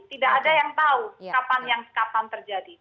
tidak ada yang tahu kapan yang kapan terjadi